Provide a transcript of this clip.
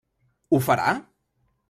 Ho farà?